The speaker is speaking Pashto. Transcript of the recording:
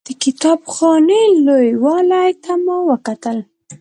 د کتاب خانې لوی والي ته مو وکتل.